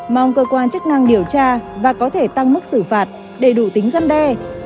mong cơ quan chức năng điều tra và có thể tăng mức xử phạt để đủ tính vấn đề